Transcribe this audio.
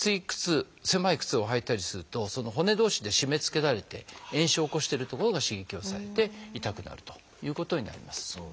靴狭い靴を履いたりするとその骨同士で締めつけられて炎症を起こしてる所が刺激をされて痛くなるということになります。